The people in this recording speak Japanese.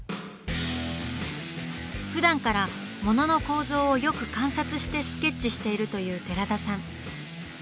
ふだんからモノの構造をよく観察してスケッチしているという寺田さん。